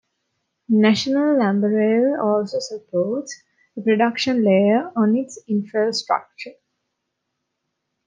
National LambdaRail also supports a production layer on its infrastructure.